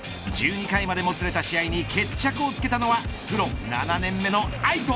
１２回までもつれた試合に決着をつけたのはプロ７年目の愛斗。